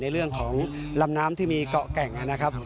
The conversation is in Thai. เรื่องของลำน้ำที่มีเกาะแก่งนะครับ